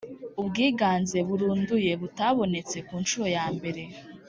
ubwiganze burunduye butabonetse ku nshuro ya mbere